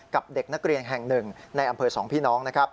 กับเด็กนักเรียนแห่งหนึ่งในอำเภอสองพี่น้อง